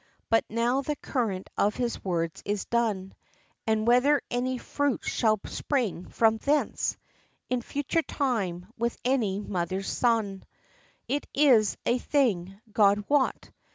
But now the current of his words is done, And whether any fruits shall spring from thence, In future time, with any mother's son, It is a thing, God wot!